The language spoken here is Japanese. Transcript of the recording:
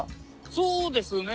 「そうですね」。